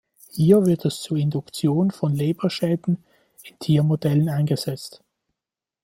Hier wird es zur Induktion von Leberschäden in Tiermodellen eingesetzt.